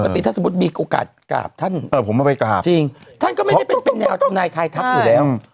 ถ้าสมมุติมีโอกาสกราบท่านผมเอาไปกราบจริงท่านก็ไม่ได้เป็นแนวทำนายทายทักอยู่แล้ว